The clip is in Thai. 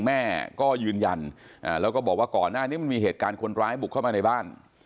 แม่ก็ยืนยันแล้วก็บอกว่าก่อนหน้านี้มันมีเหตุการณ์คนร้ายบุกเข้ามาในบ้าน